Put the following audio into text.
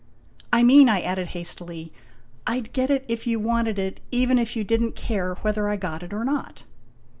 " I mean," I added hastily, " I 'd get it if you wanted it, even if you did n't care whether I got it or not."